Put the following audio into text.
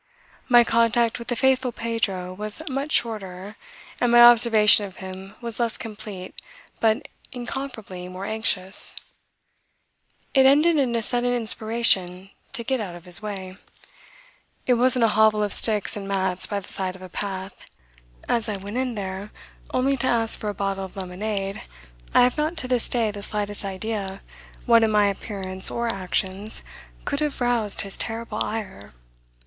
My contact with the faithful Pedro was much shorter and my observation of him was less complete but incomparably more anxious. It ended in a sudden inspiration to get out of his way. It was in a hovel of sticks and mats by the side of a path. As I went in there only to ask for a bottle of lemonade I have not to this day the slightest idea what in my appearance or actions could have roused his terrible ire.